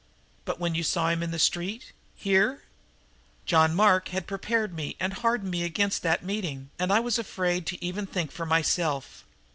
"But when you saw him in the street, here?" "John Mark had prepared me and hardened me against that meeting, and I was afraid even to think for myself.